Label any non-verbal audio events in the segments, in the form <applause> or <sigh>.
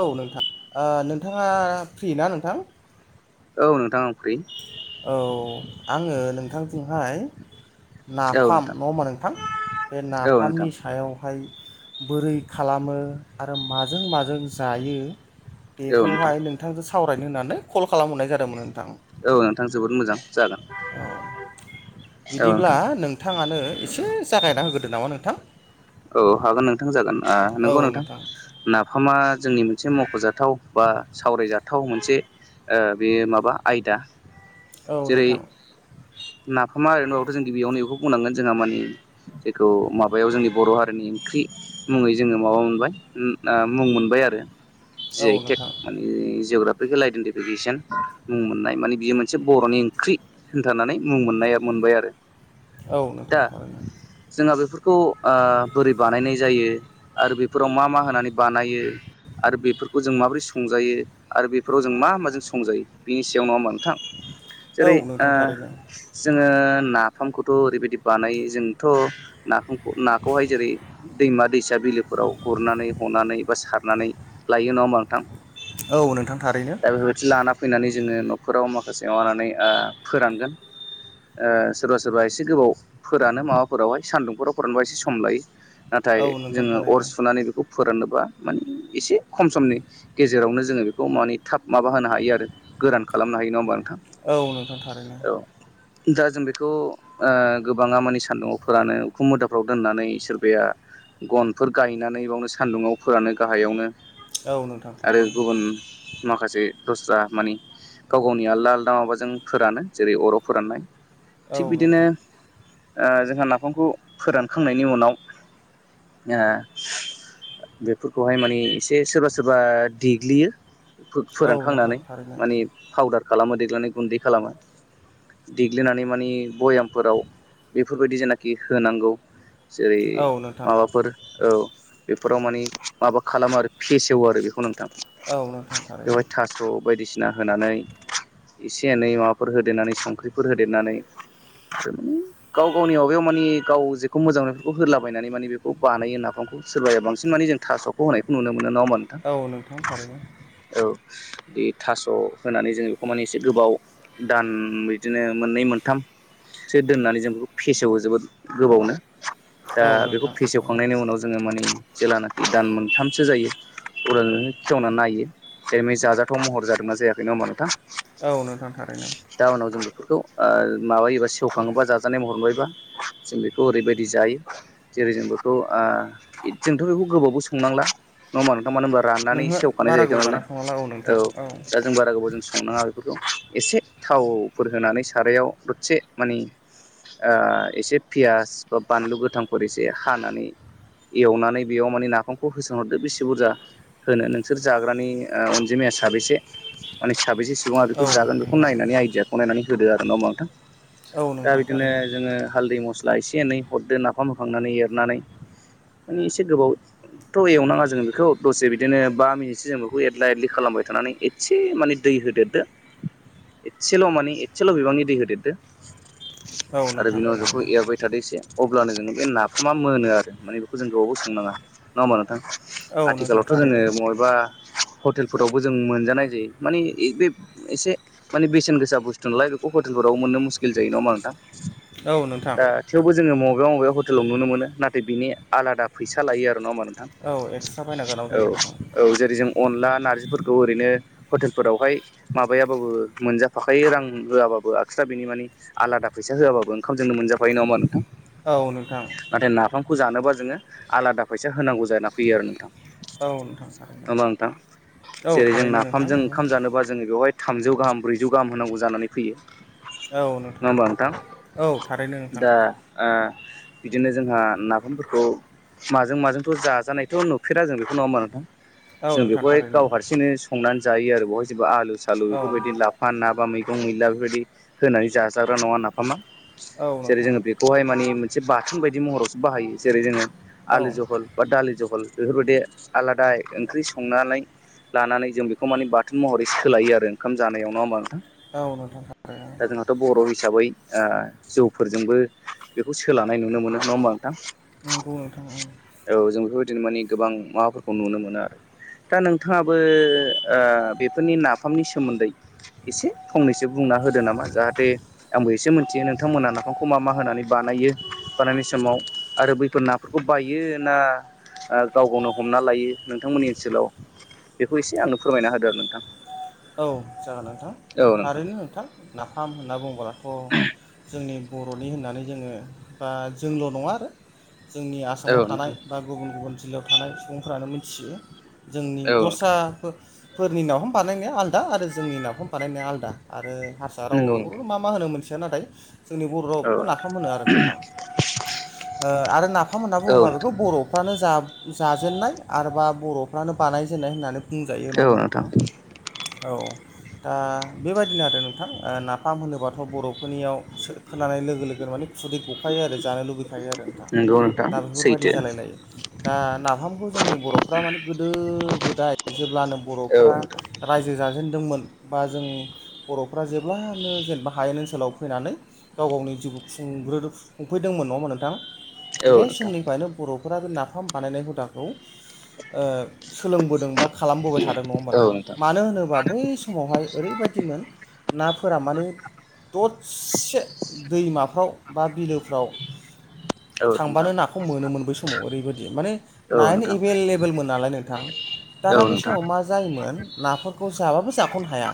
औ नोंथां, ओ नोंथाङा फ्रि ना नोंथां? औ नोंथां आं फ्रि। औ आङो नोंथांजोंहाय औ नाफाम नोंथां नङा होमबा नोंथां, बे औ नोंथां नाफामनि सायावहाय बोरै खालामो आरो माजों माजों जायो औ नोंथां बेखौहाय नोंथांजों सावरायनो होननानै कल खालामहरनाय जादोंमोन नोंथां। औ नोंथां जोबोद मोजां जागोन औ औ बिदिब्ला नोंथां नोंथाङानो एसे जागायना होग्रोदो नामा नोंथां औ हागोन नोंथां जागोन ओ नंगौ नोंथां ना फामा जोंनि मोनसे मख'जाथाव बा सावरायजाथाव मोनसे ओ बे माबा आयदा। औ जेरै नोंथां नाफामा ओरैनोबाबोथ' जों गिबियावनो बेखौ बुंनांगोन जोंहा मानि जेखौ माबायाव जोंनि बर' हारिनि ओंख्रि मुङै जोङो माबा मोनबाय मु ओ मुं मोनबाय आरो जि औ आइ टेक नोंथां माने जिउग्रा फिकाल आइडेन्टिफिकेसन मुं मोननाय माने बियो मोनसे बर'नि ओंख्रि होनथनानै मुं मोननाया मोन बाय आरो औ नोंथां दा थारैनो जोंहा बेफोरखौ ओ बोरै बानायनाय जायो आरो बेफोराव मा मा होनानै बानायो आरो बेफोरखौ जों माबोरै संजायो आरो बेफोराव जों मा माजों संजायो बेनि सायाव नङा होनबा नोंथां औ जेरै ओ नोंथां थारैनो जोङो नाफामखौथ' ओरैबायदि बानायो जोंथ' नाफामखौ खौहाय जेरै दैमा दैसा बिलोफोराव गुरनानै हनानै बा सारनानै लायो नङा होमबा औ नोंथां थारैनो दा बेबादि लाना फैनानै जोङो न'खराव माखासे माबानानै ओ फोरानगोन ओ सोरबा सोरबा एसे गोबाव फोरानो माबाफोरावहाय सान्दुंफोराव फोरानबा एसे सम लायो नाथाय औ नोंथां जोङो अर थारैनो सुनानै बेखौ फोराननोबा माने एसे खम समनि गेजेरावनो जोङो बेखौ माने थाब माबा होनो हायो आरो गोरान खालामनो हायो नङा होमबा नोंथां औ नोंथां थारैनो औ दा जों बेखौ ओ गोबाङा मानि सानदुङाव फोरानो उखुम मुदाफ्राव दोननानै सोरबाया गनफोर गायनानै बावनो सान्दुंङाव फोरानो गाहायावनो औ नोंथां आरो थारैनो गुबुन माखासे दस्रा मानि गाव गावनि आलदा आलदा माबाजों फोरानो जेरै अराव फोराननाय थिग औ बिदिनो नोंथां ओ जोंहा नाफामखौ फोरानखांनायनि उनाव ओ बेफोरखौहाय माने एसे सोरबा सोरबा देग्लियो औ नोंथां फोरानखांनानै थारैनो माने पावदार खालामो देग्लनानै गुन्दै खालामो देग्लिनानै माने भयामफोराव बेफोरबायदि जेनाखि होनांगौ जेरै औ नोंथां माबाफोर औ बेफोराव मानि माबा खालामो आरो फेसेवो आरो बेखौ नोंथां औ नोंथां थारैनो बेवहाय थास' बायदिसिना होनानै एसे एनै माबाफोर होदेरनानै संख्रिफोर होदेरनानै गाव गावनि माबायाव माने गाव बखौ मोजां मोंनो बेखौ होद्ला बायनानै माने बेखौ बानायो नाफामखौ सोरबाया बांसिन माने जों थास'खौ होनायखौ नुनो मोनो मोननो नङा होनबा औ थारैनो नोंथां औ बे थास' होनानै जों बेखौ माने एसे गोबाव दान बिदिनो मोननै मोनथाम सो दोन्नानै जों बेखौ फेसेवो जोबोद गोबावनो दा औ बेखौ नोंथां फेसेवखांनायनि उनाव जोङो माने जेेलानाखि दान मोनथामसो जायो उदाल खेवनानै नायो जै जाजाथाव महर जादोंना जायाखै नङा होमबा नोंथां औ नोंथां थारैनो जाउनाव जों बेफोरखौ ओ माबायोबा सेवखाङोबा जाजानाय हरबायबा जों बेखौ ओरैबायदि बि जायो जेरै जों बेखौ आ जोंथ' बेखौ गोबावबो संनांला नङा होमबा ना मानो होनोबा राननानै नोंहो सेवखानाय बारा जाहैखायो गोबाव जाना नालाय थांला औ नोंथां दा जों बारा गोबाव जों संनाङा बेफोरखौ एसे थावफोर होनानै सारायाव दरसे माने ओ एसे पियास बा बानलु गोथांफोर एसे हानानै एवनानै बेयाव माने नाफामखौ होसनहरदो बेसे बुरजा होनो नोंसोर जाग्रानि ओ अनजिमाया साबैसे माने साबैसे सुंबुं बेखौ औ जागोन नोंथां बेखौ थारैनो नायनानै आइडियाखौ नायनानै होदो आरो नङा होमबा नोंथां औ दा नोंथां बिदिनो थारैनो जोङो हालदै मस्ला एसे एनै हरदो नाफाम होखांनानै एरनानै उम एसे गोबाव थ' एवनाङा जों बेखौ दसे बिदिनो बा मिनिटसो जों बेखौ एदला एदलि खालामबाय थानानै एसे माने दै दै होदेरदो एसेल' माने एसेल' बिबांनि दै होदेरदो औ आरो नोंथां बिनि उनाव बेखौ थारैनो एरबाय थादो एसे अब्लानो जों बे नाफामा मोनो आरो माने बेखौ जों गोबावबो संनाङा नङा होमबा नोंथां औ नोंथां आथिखालावथ' जोङो थारैनो मबेबा हटेलफोरावबो जों मोनजानाय जायो माने बे एसे माने बेसेन गोसा बुस्थु नालाय बेखौ हटेलफोरावबो मोननो मुस्किल जायो नङा होमबा नोंथां औ नोंथां जों मबेबा-मबेबा हटेलाव नुनो मोनो नाथाय बिनि आलादा फैसा लायो आरो। नंङा होमबा नोंथां औ एक्सट्रा बायना जानांगौ जायो नोंथां औ-औ जेरै जों अनला नारजिफोरखौ ओरैनो हटेलावहाय माबायाबाबो मोनजाफाखायो रां होआबाबो आतसा बिनि माने आलादा फैसा होआबो ओंखाम जोंनो मोनजाफायो, नङामा नोंथां? औ नोंथां। खौ जानोबा जोङो आलादा फैसा होनांगौ जाना फैयो आरो नोंथां। औ नोंथां थारैनो होमबा नोंथां औ जेरै जों थारैनो नोंथां नाफामजों नंगौ ओंखाम जानोबा जोङो बेवहाय थामजौ गाहाम ब्रैजौ गाहाम होनांगौ जानानै फैयो। औ नङा नोंथां होमबा औ थारैनो नोंथां। दा ओ बिदिनो जोंहा नाफामफोरखौ माजों-माजोंथ' जाजानायथ' नुफेरा जों बेखौ नङा होमबा नोंथां। औ जों नोंथां बेखौहाय थारैनो गाव हारसिंनो संनानै जायो आरो बेवहाय जेनबा आलु सालु औ बेफोरबायदि लाफा ना बा मैगं मैला बेफोरबायदि होनानै जाजाग्रा नङा नाफामा। औ जेरै नोंथां जोङो बेखौहाय माने मोनसे बाथोन बायदि महरावसो बाहायो जेरै जोङो औ आलु जहल बा दालि जहल। बेफोरबायदि आलादा ओंख्रि संनानै लानानै जों बेखौ माने बाथोन महरै सोलायो आरो ओंखाम जानायाव, नङा होमबा? औ नोंथां थारैनो दा जोंहाथ' बर' हिसाबै ओ जौफोरजोंबो बेखौ सोलानाय नुनो मोनो नङा होमबा नोंथां। नंगौ नोंथां औ। बिदिनो माने गोबां माबाफोरखौ नुनो मोनो आरो। दा नोंथाङाबो ओ बेफोरनि नाफामनि सोमोन्दै एसे फंनैसो बुं ना होदो नामा जाहाथे आंबो एसे मोनथियो नोंथांमोना नाफामखौ मा-मा होनानै बानायो बानायनाय समाव आरो बैफोर नाफोरखौ बायो ना ओ गाव गावनो हमना लायो नोंथांमोननि ओनसोलाव बेखौ एसे आंनो फोरमायना होदो आरो नोंथां। औ जागोन नोंथां थारैनो नोंथां नाफाम होनना बुंङोब्लाथ' जो जोंनि बर'नि होननानै जोङो बा जोंल' नङा आरो। जोंनि औ आसामाव थानाय नोंथां बा गुबुन-गुबुन जिल्लायाव थानाय सुबुंफोरानो मिथियो। जोंनि औ नोंथां दस्रा फो फोरनिनावनो बानायनाया आलादा आरो जोंनि नाफाम बानायनाया आलादा आरो हारसा रावाव नंगौ नोंथां बेफोरखौ मा-मा होनो मोनथिया नाथाय जोंनि बर' राव औ बेखौ नोंथां नाफाम होनो आरो नोंथां। ओ आरो नाफाम होनना औ बुङोबा बेखौ नोंथां बर'फ्रानो जा जाजेननाय आरोबा बर'फ्रानो बानायजेननाय होननानै बुंजायो नङा होमबा नोंथां। औ दा बेबायदिनो आरो नोंथां ओ नाफाम होनोबाथ' बर'फोरनियाव खोनानाय लो लोगो-लोगो माने खुदै गखायो आरो जानो लुबैखायो आरो नोंथां। नंगौ नोंथां दा बेफोरबायदि सैथो जालाय लायो दा नाफामखौ जोंनि बर'फ्रा माने गोदो गोदाय जे ब्लानो औ बर'फोरा रायजो जाजेनदोंमोन बा जों बर'फ्रा जेब्लानो जेनेबा हायेन ओनसोलाव फैनानै गाव गावनि जिउखौ खुंग्रोदो खुंफैदोंमोन नङा होमबा नोंथां बे नोंथां समनिफ्रायनो बर' फोरा बे नाफाम बानायनाय हुदाखौ ओ सोलोंबोदों बा खालामबोबाय थादों नङा होमबा नोंथां। मानो होनोबा बै समावहाय ओरैबायदिमोन नाफोरा माने ददसे दैमाफ्राव बा बिलोफ्राव औ नोंथां थांबानो नाखौ मोनोमोन बै समाव ओरैबायदि माने औ नोंथां औ नायानो नोंथां एबेल लेबेलमोन नालाय नोंथां। औ दाना बे नोंथां समाव मा जायोमोन नाफोरखौ जाबाबो जाख'नो हाया।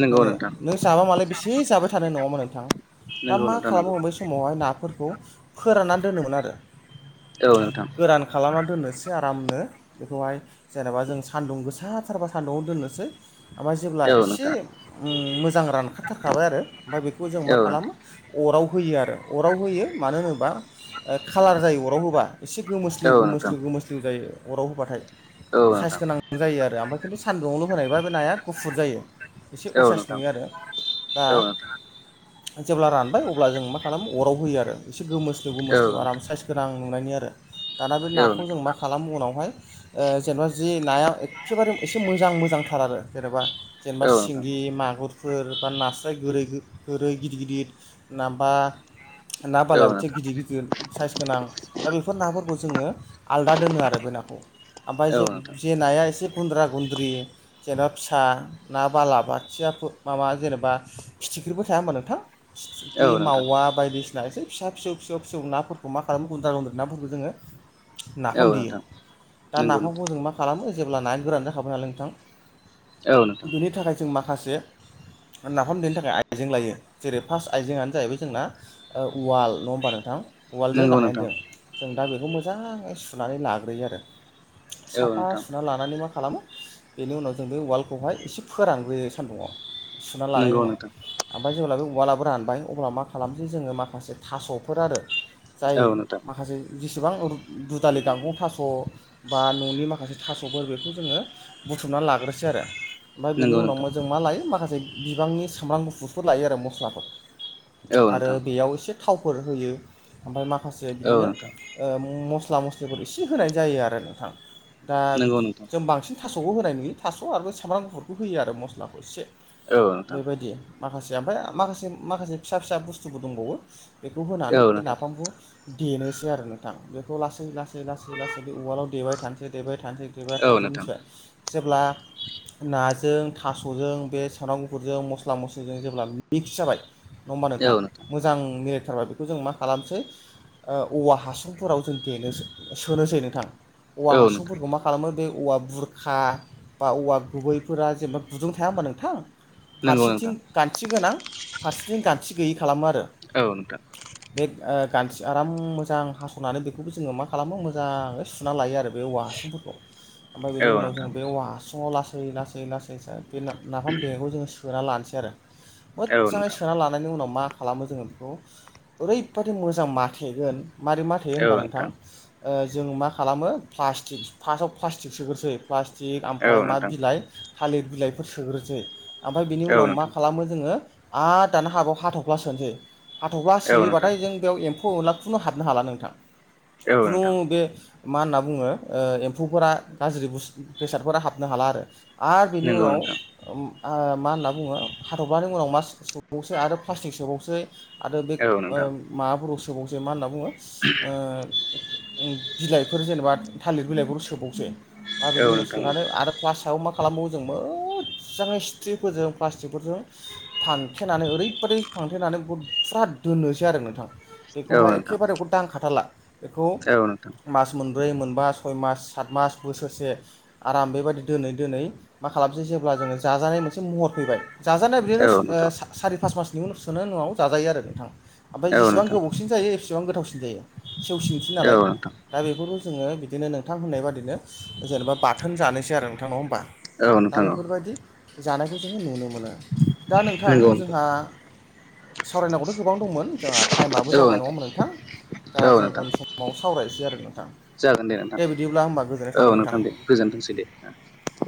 नंगौ नोङो नोंथां नों जाबा मालाय बेसे जाबाय थानो नङा होमबा नोंथां। दा नंगौ मा नोंथां नंगौ खालामो बै समावहाय ना फोरखौ फोराननान दोनोमोन आरो औ नोंथां गोरान खालामना दोननोसै आरामनो बेखौहाय जेनेबा जों सान्दुं गोसाथारबा सान्दुंआव दोननोसै ओमफाय जेब्ला औ नोंथां औ एसे नोंथां उम मोजां रानखाथारखाबाय आरो ओमफाय बेखौ जों मा औ खालामो अराव होयो आरो अराव होयो मानो होनोबा ओ खालार जायो अराव होबा एसे गोमोस्लिउ नोंथां औ नोंथां गोमोस्लिउ गोमोस्लिउ जायो। अराव होबाथाय औ साइस गोनां जायो आरो ओमफाय खिन्थु सान्दुुङाल' होनायबा बे नाया गुफुर जायो एसे नोंथां औ नोंथां औ असाइस नोंथां नुयो आरो दा औ नोंथां औ नोंथां औ नोंथां जेब्ला रानबाय अब्ला जों मा खालामो अराव होयो आरो एसे गोमोस्लिव गोमोस्लिव आराम साइस गोनां नुनायनि आरो दाना बे औ नाखौ नोंथां जों मा खालामो उनावहाय ओ जेनेबा जि नाया एखेबारे एसे मोजां मोजांथार आरो जेनेबा जेनेबा सिंगि माग गुरफोर बा नास्राय गोरै गो गोरै गिदिर गिदिर नाबा ना बालाय बाथिया गिदिर गिदिर साइस गोनां दा बेफोर नाफोरखौ जोङो आलदा दोनो आरो बे नाखौ ओमफाय जे जे नाया एसे गुन्द्रा गुन्द्रि जेनबा फिसा ना बालाबाथिया फो माबा जेनेबा फिथिख्रिबो था थाया होमबा नोंथां फिथिख्रि मावा बायदिसिनासै फिसा फिसौ फिसौ फिसौ नाफोरखौ मा खालामो गुन्द्रा गुन्द्रि नाफोरखौ जोङो नाफाम औ देयो नोंथां दा नंगौ नाफामखौ नोंथां जों मा खालामो जेब्ला नाया गोरान जाखाबाय नालाय औ नोंथां नोंथां बेनि थाखाय जों माखासे <inaudible> नाफाम देनो थाखाय आइजें लायो जेरै फार्स्ट आइजेंयानो जाहैबाय जोंना ओ उवाल नङा होमबा नोंथां उवालजों नंगौ नोंथां गाहेनजों जों दा बेखौ मोजाङै सुनानै लाग्रोयो आरो औ साफा नोंथां सुना लानानै मा खालामो बेनि उनाव जों बे उवालखौहाय एसे फोरानग्रोयो सानदुङाव सुना लानायनि नंगौ उनाव नोंथां ओमफाय जेब्ला बे उवालाबो रानबाय अब्ला मा खालामसै जोङो माखासे थास'फोर आरो जाय औ नोंथां माखासे जेसेबां उर दुदालि गांगं थास' बा न'नि माखासे थास'फोर बेखौ जोङो बुथुमनानै लाग्रोसै आरो ओमफाय बेनि नंगौ नोंथां उनावनो जों मा लायो माखासे बिबांनि सामब्राम गुफुरफोर लायो आरो मस्लाफोर औ आरो नोंथां बेयाव एसे थावफोर होयो ओमफाय माखासे औ बिदिनो नोंथां ओ मस स्ला मस्लिफोर इसे होनाय जायो आरो नोंथां दा नंगौ नोंथां जों बांसिन थास'बो होनाय नुयो थास' आरो सामब्राम गुफुरबो होयो आरो मस्लाखौ एसे औ नोंथां औ नोंथां बेबायदि माखासे ओमफाय माखासे माखासे फिसा फिसा बुस्थुबो दंबावो बेखौ होनानै बे नाफामखौ देनोसै आरो नोंथां बेखौ लासै लासै लासै लासै बे उवालाव देबाय थानोसै देबाय थानोसै देबाय औ थानोसै नोंथां मिथिबाय जेब्ला नाजों थास'जों बे साम्राम गुफुरजों मस्ला मस्लिजों जेब्ला मिक्स जाबाय नङा होमबा नोंथां मोजां मिर बेखौ जों मा खालामनोसै ओ औवा हासुंफोराव जों देनोसो सोनोसै नोंथां औवा औ नोंथां हासुंफोरखौ मा खालामो बे औवा बुर खा बा औवा गुबैफोरा जेनबा गुदुं थाया होमबा नोंथां नंगौ फारसेथिं नोंथां गान्थि गोनां फारसेथिं गान्थि गैयै खालामो आरो। औ नोंथां। गानथि आराम मोजां हास'नानै बेखौबो जोङो मा खालामो मोजाङै सुना लायो आरो बे औवा हासिंफोर <inaudible> ओमबाय बिनि उनाव नोंथां बे औवा हासुङाव लासै लासै लासै सो दे नाफाम देना लानायखौ जोङो सोना लानोसै आरो। औ मोज्जाङै नोंथां सोना लानायनि उनाव मा खालामो जोङो बेखौ, ओरैबादि मोजां माथेगोन मारै माथेयो होमबा नोंथां जों मा खालामो प्लास्टिक फार्स्टआव प्लास्टिक सोग्रोसै, प्लास्टिक आम औ फाय मा नोंथां बिलाइ थालिर बिलाइफोर सोग्रोनोसै, आमफाय बिनि औ उनाव मा नोंथां खालामो जोङो आ दा बाव हाथफ्ला सोनोसै। हाथफ्ला औ नोंथां सोयोबाथाय जों बेव एम फौ एनला खुनु हाबनो हाला नोंथां। औ खुनु नोंथां बे मा होनना बुङो औ एम्फौफोरा गाज्रि बुस बेसादफोरा हाबनो हाला आरो आरो बेनि नंगौ उनाव नोंथां ओम ओह मा होनना बुङो हाथ'फ्लानि उनाव मास सोबावसै आरो प्लास्टिक सोबावसै आरो बे औ <unintelligible> ओ नोंथां ओम माबाफोराव सोबावसै मा होनना बुङो <unintelligible> ओ उम बिलाइफोर जेनेबा थालि बिलाइफोरखौ सोबावसै। दा औ बेनि उनाव नोंथां सोनानै आरो प्लासाव मा खालामबावो जों मोदजाङै स्ट्रिफोरजों प्लास्टिकफोरजों फांथेनानै ओरैबाददि फांथेनानै फुरा दोनोसै आरो नोंथां। औ बेखौहाय एखे नोंथां बारे <unintelligible> दांखाथारला। बेखौ औ नोंथां मास मोनब्रै मोनबा सय मास सात मास बोसोरसे आराम बेबादि दोनै दोनै मा खालामसै जेब्ला जोङो जाजानाय मोनसे महर फैबाय, जाजानाय बिद नोस औ ओ नोंथां सा-सारि फास मासनि उनाव सोनो जाजायो आरो नोंथां। ओमफाय औ नोंथां औ जेसेबां गोबावसिन जायो एसेबां गोथावसिन जायो। सेवसिनसै नालाय नोंथां दा बेफोरखौ जोङो बिदिनो नोंथां होननाय बादिनो जेनेबा बाथोन जानोसै आरो नोंथां नङा होमबा? औ दा नोंथां औ बेफोरबायदि जानायखौ जोङो नुनो मोनो। दा नोंथां जोंहा सावरायनांगौथ' गोबां दंमोन जोंहा थाइमाबो जाबाय नङामोन नोंथां? दा औ जों नोंथां उन समाव सावरायनोसै आरो नोंथां। जागोन नोंथां दे बिदिब्ला होमबा गोजोननाय थाबाय औ नों नोंथां दे गोन्थोंसै दे ओ